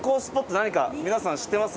何か皆さん知ってます？